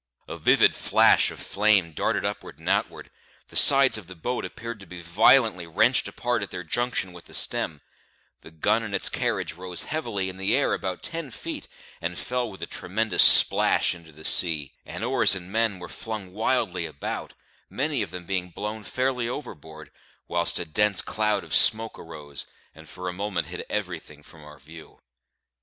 A vivid flash of flame darted upward and outward; the sides of the boat appeared to be violently wrenched apart at their junction with the stem; the gun and its carriage rose heavily in the air about ten feet, and fell with a tremendous splash into the sea; and oars and men were flung wildly about, many of them being blown fairly overboard, whilst a dense cloud of smoke arose, and for a moment hid everything from our view.